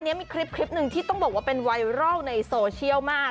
มีคลิปหนึ่งที่ต้องบอกว่าเป็นไวรัลในโซเชียลมาก